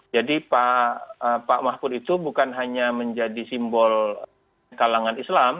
jadi pak mahfud itu bukan hanya menjadi simbol kalangan islam